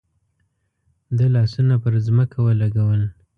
ده لاسونه پر ځمکه ولګول.